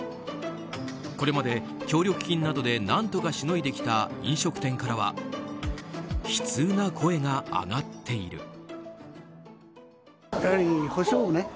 これまで協力金などで何とかしのいできた飲食店からは悲痛な声が上がっている。